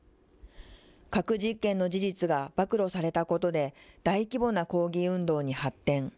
核実験の事実が暴露されたことで、大規模な抗議運動に発展。